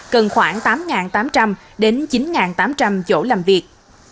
cần khoảng tám tám trăm linh đến chín tám trăm linh chỗ làm việc